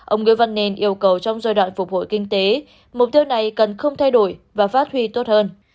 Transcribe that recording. ông nguyễn văn nên yêu cầu trong giai đoạn phục hồi kinh tế mục tiêu này cần không thay đổi và phát huy tốt hơn